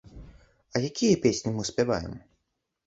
А якія песні мы спяваем?